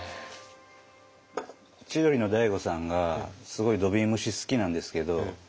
千鳥の大悟さんがすごい土瓶蒸し好きなんですけど。